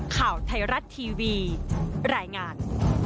ข่าวไทยรัฐทีวีรายงาน